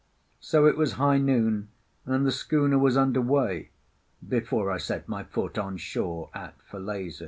So it was high noon, and the schooner was under way before I set my foot on shore at Falesá.